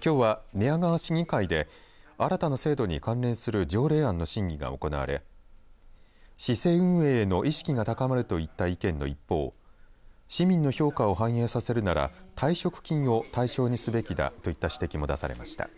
きょうは寝屋川市議会で新たな制度に関連する条例案の審議が行われ市政運営への意識が高まるといった意見の一方市民の評価を反映させるなら退職金を対象にすべきだといった指摘も出されました。